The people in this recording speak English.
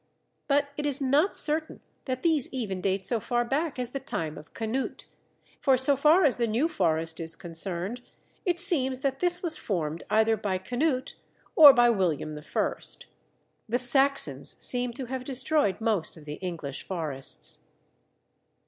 But it is not certain that these even date so far back as the time of Canute, for so far as the New Forest is concerned, it seems that this was formed either by Canute or by William I. The Saxons seem to have destroyed most of the English forests.